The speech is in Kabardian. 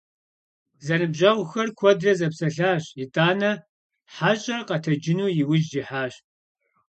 Зэныбжьэгъухэр куэдрэ зэпсэлъащ, итӀанэ хьэщӀэр къэтэджыну и ужь ихьащ.